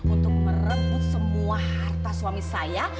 untuk merebut semua harta suami saya